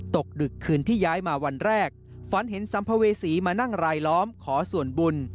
ดึกคืนที่ย้ายมาวันแรกฝันเห็นสัมภเวษีมานั่งรายล้อมขอส่วนบุญ